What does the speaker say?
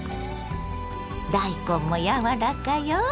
大根も柔らかよ。